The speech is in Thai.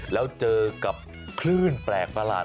แล้วเจอกับคลื่นแปลกประหลาด